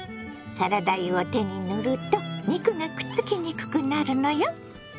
サラダ油を手に塗ると肉がくっつきにくくなるのよ。